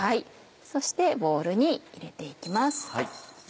そしてボウルに入れて行きます。